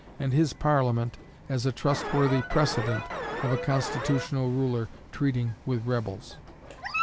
and his Parliament as a trustworthy precedent of a constitutional ruler treating with rebels.